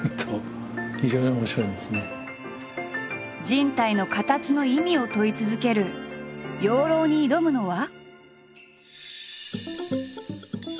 人体の形の意味を問い続ける養老に挑むのは。